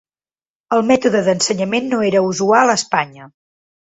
El mètode d'ensenyament no era l'usual a Espanya.